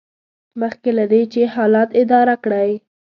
مخکې له دې چې حالات اداره کړئ.